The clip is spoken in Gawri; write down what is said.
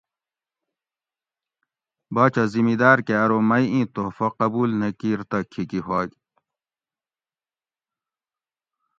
باچہ زمیداۤر کہۤ ارو مئ اِیں تحفہ قبول نہ کِیر تہ کھیکی ہوگ